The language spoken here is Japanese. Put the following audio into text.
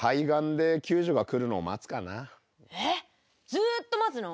ずっと待つの？